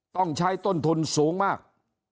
ต้องใช้ต้นทุนสูงมาก